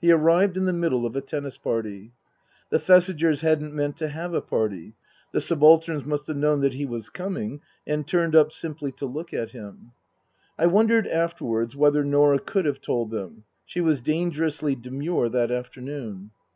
He arrived in the middle of a tennis party. The Thesigers hadn't meant to have a party. The subalterns must have known that he was coming and turned up simply to look at him. (I wondered afterwards whether Norah could have told them. She was dangerously demure that afternoon.)